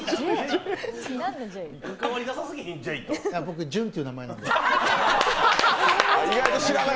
僕、じゅんっていう名前なんで。